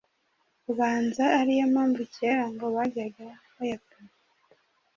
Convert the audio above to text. Ubanza ariyo mpamvu kera ngo bajyaga bayapima